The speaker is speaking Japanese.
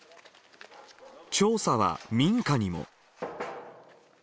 調査は民家にも。